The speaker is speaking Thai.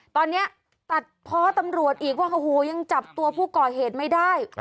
ตอนนี้ตัดเพาะตำรวจอีกว่าโอ้โหยังจับตัวผู้ก่อเหตุไม่ได้